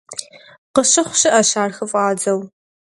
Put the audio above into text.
Къыщыхъу щыӀэщ ар хыфӀадзэу.